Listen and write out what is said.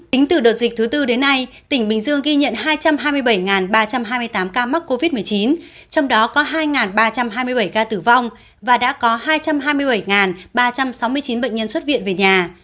tính từ đợt dịch thứ tư đến nay tỉnh bình dương ghi nhận hai trăm hai mươi bảy ba trăm hai mươi tám ca mắc covid một mươi chín trong đó có hai ba trăm hai mươi bảy ca tử vong và đã có hai trăm hai mươi bảy ba trăm sáu mươi chín bệnh nhân xuất viện về nhà